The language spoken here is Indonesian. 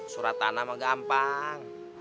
surat tanah mah gampang